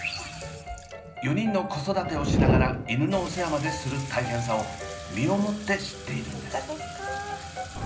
４人の子育てをしながら犬のお世話までする大変さを身を持って知っているんです。